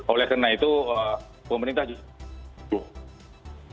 oleh karena itu pemerintah juga